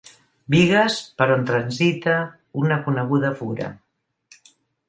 Bigues per on transita una coneguda fura.